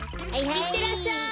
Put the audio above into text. いってらっしゃい。